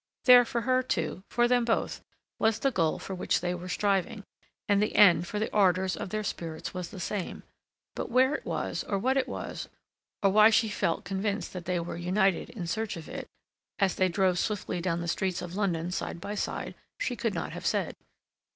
There for her too, for them both, was the goal for which they were striving, and the end for the ardors of their spirits was the same: but where it was, or what it was, or why she felt convinced that they were united in search of it, as they drove swiftly down the streets of London side by side, she could not have said.